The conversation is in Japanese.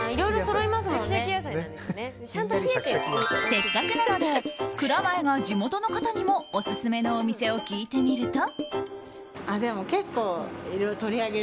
せっかくなので蔵前が地元の方にもオススメのお店を聞いてみると。